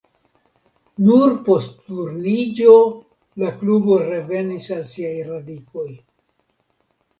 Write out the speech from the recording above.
Nur post Turniĝo la klubo revenis al siaj radikoj.